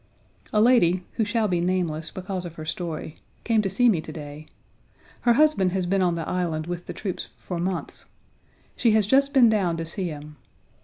A lady (who shall be nameless because of her story) came to see me to day. Her husband has been on the Island with the troops for months. She has just been down to see him.